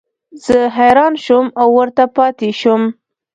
زه حیران شوم او ورته پاتې شوم.